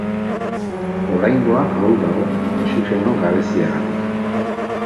Oraingoa ahul dago, oxigeno gabeziagatik.